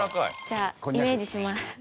じゃあイメージします。